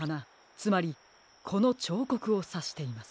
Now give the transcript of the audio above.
つまりこのちょうこくをさしています。